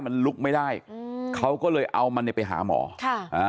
มันลุกไม่ได้อืมเขาก็เลยเอามันเนี่ยไปหาหมอค่ะอ่า